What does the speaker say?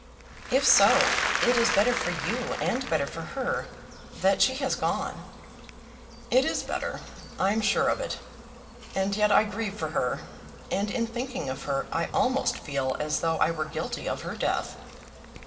"If so, it is better for you, and better for her, that she has gone." "It is better. I am sure of it. And yet I grieve for her, and in thinking of her I almost feel as though I were guilty of her death."